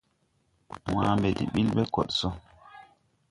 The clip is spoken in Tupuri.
Wãã mbe de ɓil ɓe koɗ so.